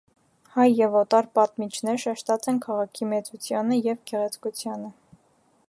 Հայ եւ օտար պատմիչներ շեշտած են քաղաքի մեծութիւնը եւ գեղեցկութիւնը։